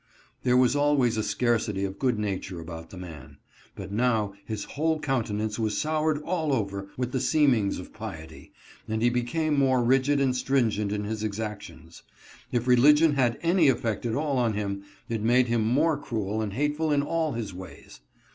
There was always a scarcity of good nature about the man ; but now his whole countenance was soured all over with the seernings of piety, and he became more rigid and stringent in his exactions. If religion had any effect at all on him, it made him more cruel and hateful in all his ways.